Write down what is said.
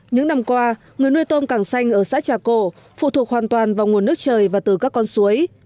những năm qua người nuôi tôm càng xanh ở xã trà cổ phụ thuộc hoàn toàn vào nguồn nước trời và từ các con suối